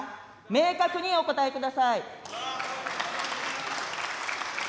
明確にお答えください。